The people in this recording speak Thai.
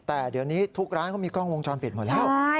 แต่เดี๋ยวนี้ทุกร้านเขามีกล้องวงจรปิดหมดแล้ว